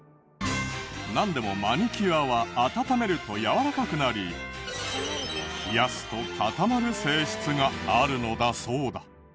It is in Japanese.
なんでもマニキュアは温めるとやわらかくなり冷やすと固まる性質があるのだそうだ。